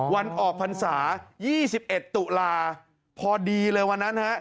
วันออกพรรษายี่สิบเอ็ดตุลาพอดีเลยวันนั้นฮะ